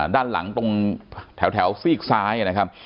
ด้านหลังตรงแถวซี่กซ้าย